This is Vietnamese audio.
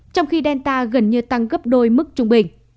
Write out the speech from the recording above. trong khi delta gần như tăng gấp đôi mức trung bình